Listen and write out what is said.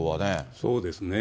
そうですね。